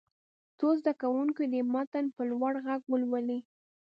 څو زده کوونکي دې متن په لوړ غږ ولولي.